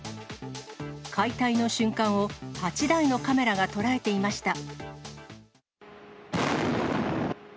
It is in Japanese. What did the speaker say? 解体の瞬間を８台のカメラが捉えていました。